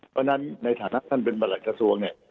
เพราะฉะนั้นในฐานะท่านเป็นประหลัดกระทรวงเนี่ย